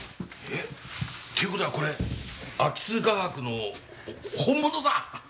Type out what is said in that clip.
えっ？っていう事はこれ安芸津画伯の本物だ！？